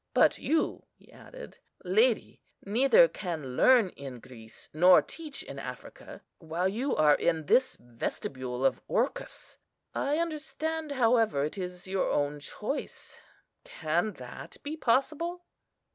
But you," he added, "lady, neither can learn in Greece nor teach in Africa, while you are in this vestibule of Orcus. I understand, however, it is your own choice; can that be possible?"